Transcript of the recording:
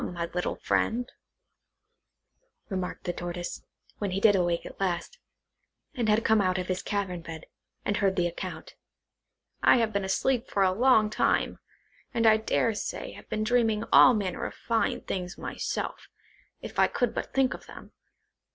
"Come, come, my little friend," remarked the Tortoise, when he did awake at last, and had come out of his cavern bed, and heard the account; "I have been asleep for a long time, and I dare say have been dreaming all manner of fine things myself, if I could but think of them.